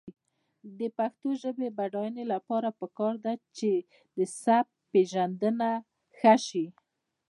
د پښتو ژبې د بډاینې لپاره پکار ده چې سبکپېژندنه ښه شي.